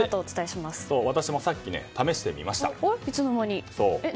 私もさっき、試してみました。